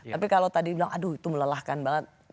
tapi kalau tadi bilang aduh itu melelahkan banget